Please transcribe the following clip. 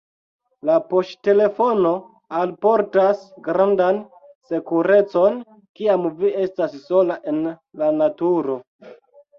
La poŝtelefono alportas grandan sekurecon, kiam vi estas sola en la naturo.